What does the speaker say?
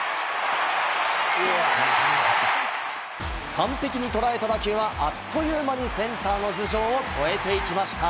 完璧に捉えた打球はあっという間にセンターの頭上を越えていきました。